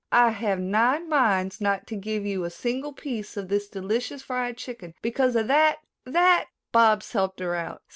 "I have nine minds not to give you a single piece of this delicious fried chicken because of that that " Bobs helped her out.